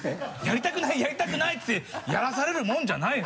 やりたくない！ってやらされるもんじゃないの？